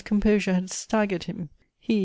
's composure had staggered him: he, M.